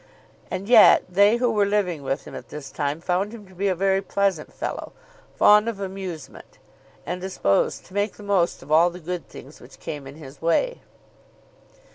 And yet they who were living with him at this time found him to be a very pleasant fellow, fond of amusement, and disposed to make the most of all the good things which came in his way.